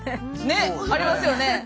ねっありますよね。